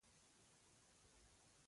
ګلداد یې د خبرو لړ پرې کړ.